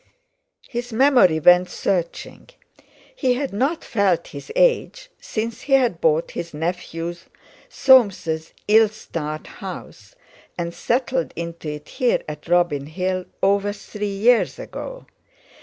His memory went searching. He had not felt his age since he had bought his nephew Soames' ill starred house and settled into it here at Robin Hill over three years ago.